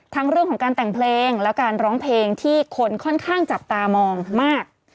เรื่องของการแต่งเพลงและการร้องเพลงที่คนค่อนข้างจับตามองมาก